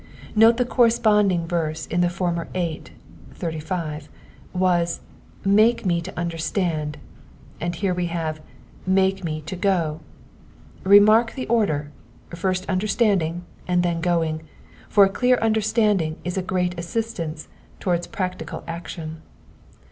Note that the corresponding verse in the former eight (35) was '* Make me to understand," and here we have Make me to f^o.'''* Remark the order, first understanding and then going ; for a clear understanding is a great assistance towards practical action.